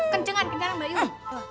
kenceng kan kenceng mbak yuk